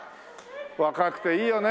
若くていいよね。